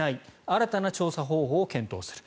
新たな調査方法を検討する。